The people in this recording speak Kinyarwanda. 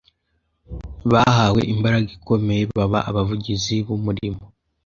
bahawe imbaraga ikomeye baba abavugizi b’umurimo